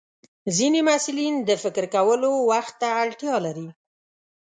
ځینې محصلین د فکر کولو وخت ته اړتیا لري.